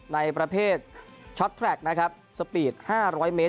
ในประเภทนะครับสปีดห้าร้อยเมตร